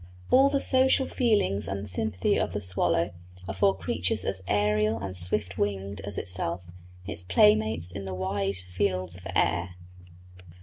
All the social feelings and sympathy of the swallow are for creatures as aërial and swift winged as itself its playmates in the wide fields of air.